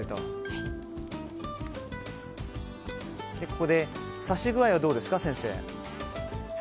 ここで刺し具合はどうですか？